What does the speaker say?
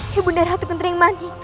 ya bunda ratu kenteri yang mati